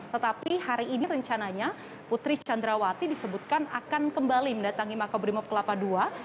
tetapi hari ini rencananya putri candrawati disebutkan akan kembali mendatangi makobrimob kelapa ii